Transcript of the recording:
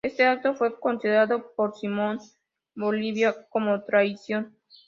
Este acto fue considerado por Simón Bolívar como traición.